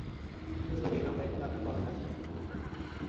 Mrs Rubin, আমরা এক্ষুনি আপনাকে বাঁচাতে আসছি!